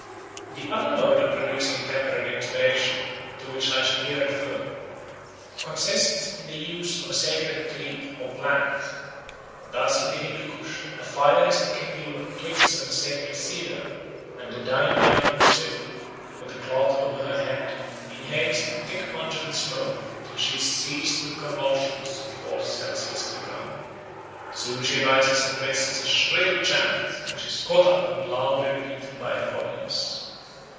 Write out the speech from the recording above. The other mode of producing temporary inspiration, to which I shall here refer, consists in the use of a sacred tree or plant. Thus in the Hindoo Koosh a fire is kindled with twigs of the sacred cedar; and the Dainyal or sibyl, with a cloth over her head, inhales the thick pungent smoke till she is seized with convulsions and falls senseless to the ground. Soon she rises and raises a shrill chant, which is caught up and loudly repeated by her audience.